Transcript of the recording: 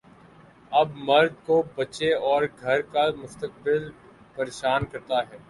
اب مرد کو بچے اور گھر کا مستقبل پریشان کرتا ہے۔